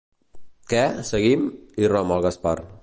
Què, seguim? —irromp el Gaspar—.